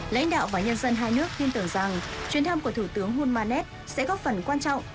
lãnh đạo và nhân dân hai nước tin tưởng rằng chuyến thăm của thủ tướng hulmanet sẽ góp phần quan trọng